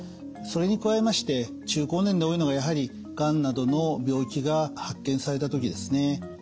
それに加えまして中高年で多いのがやはりがんなどの病気が発見された時ですね。